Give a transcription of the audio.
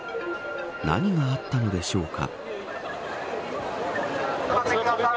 何があったのでしょうか。